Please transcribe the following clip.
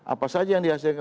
apa saja yang dihasilkan